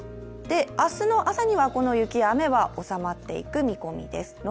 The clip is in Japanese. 明日の朝にはこの雪や雨は収まっていく見込みです。